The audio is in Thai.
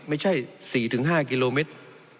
ไม่ใช่๔๕กิโลเมตร